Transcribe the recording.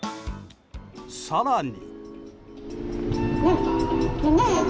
更に。